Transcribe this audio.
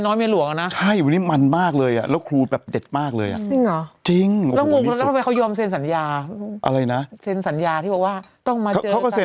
หนูว่าพี่หนูอาจจะเพราะได้ยินอะไรเปื่อย